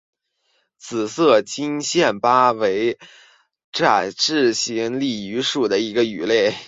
紫色金线鲃为辐鳍鱼纲鲤形目鲤科金线鲃属的其中一种鱼类。